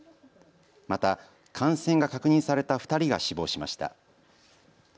また感染が確認された２人が死亡しました。